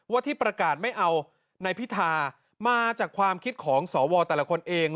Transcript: ที่ประกาศไม่เอานายพิธามาจากความคิดของสวแต่ละคนเอง